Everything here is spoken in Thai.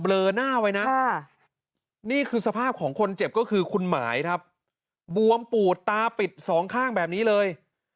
เลอหน้าไว้นะนี่คือสภาพของคนเจ็บก็คือคุณหมายครับบวมปูดตาปิดสองข้างแบบนี้เลย